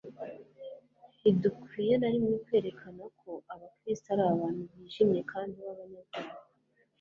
Ntidukwiriye na rimwe kwerekana ko abakristo ari abantu bijimye kandi b'abanyabyago.